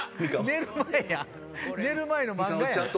寝る前の漫画やん！